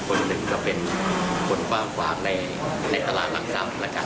คนหนึ่งก็เป็นคนกว้างขวางในตลาดหลักทรัพย์นะครับ